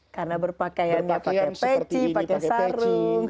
karena berpakaiannya pakai peci pakai sarung